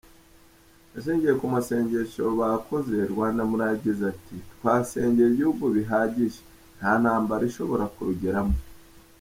Ashingiye ku masengesho bakoze, Rwandamura yagize ati ”Twasengeye igihugu bihagije, nta ntambara ishobora kurugeramo.